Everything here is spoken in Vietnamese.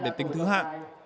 để tính thứ hạng